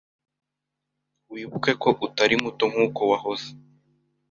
Wibuke ko utari muto nkuko wahoze.